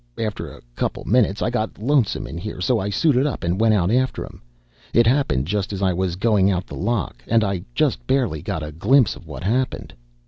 After a couple minutes, I got lonesome in here, so I suited up and went out after him. It happened just as I was going out the lock, and I just barely got a glimpse of what happened."